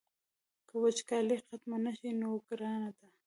که وچکالي ختمه نه شي نو ګرانه ده.